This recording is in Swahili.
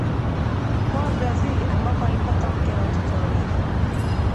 Kwao Brazili ambapo alipata mke na watoto wawili